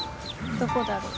どこだろう？